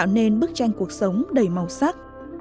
với những bác tranh cuộc sống đầy màu sắc